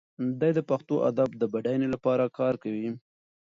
دی د پښتو ادب د بډاینې لپاره کار کوي.